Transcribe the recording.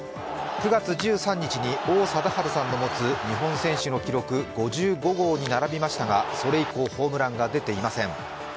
９月１３日に王貞治さんの持つ日本選手の記録５５号に並びましたがそれ以降ホームランが出ていません。